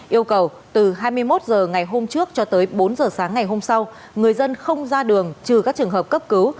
yêu cầu từ hai mươi một h ngày hôm trước cho tới bốn h sáng ngày hôm sau người dân không ra đường trừ các trường hợp cấp cứu